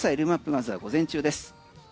まずは午前中です。